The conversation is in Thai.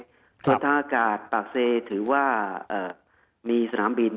ก็ท่างอากาศปากเซถือว่ามีสนามบินนานาชาติครับ